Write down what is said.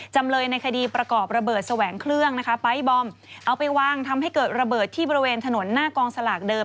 จำเลยในคดีประกอบระเบิดแสวงเครื่องนะคะไปร์ทบอมเอาไปวางทำให้เกิดระเบิดที่บริเวณถนนหน้ากองสลากเดิม